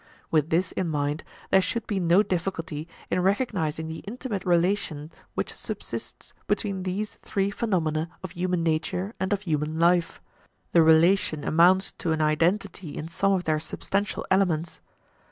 With this in mind, there should be no difficulty in recognizing the intimate relation which subsists between these three phenomena of human nature and of human life; the relation amounts to an identity in some of their substantial elements.